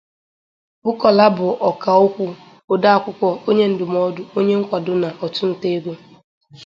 Bukola bụ ọkà okwu, ode akwụkwọ, onye ndụmọdụ, onye nkwado na ọchụnta ego.